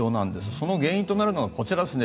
その原因となるのがこちらですね